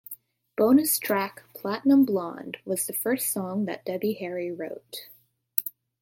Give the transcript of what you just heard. Bonus track "Platinum Blonde" was the first song that Debbie Harry wrote.